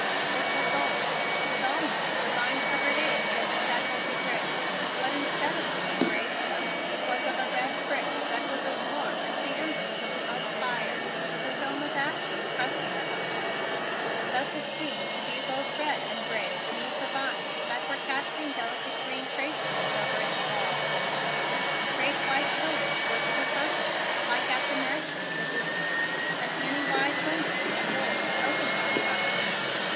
It was old, with almost the vine covered age of the Chateau de Grez, but instead of being of gray stone it was of a red brick that was as warm as the embers of an oak fire with the film of ashes crusting upon it. Thus it seemed to be both red and gray beneath the vines that were casting delicate green traceries over its walls. Great white pillars were to the front of it like at the Mansion of the Gouverneur, and many wide windows and doors opened out from it.